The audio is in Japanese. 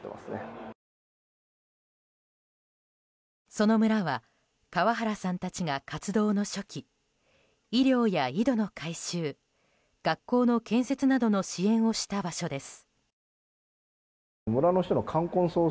その村は川原さんたちが活動の初期医療や井戸の改修学校の建設などの支援をした場所です。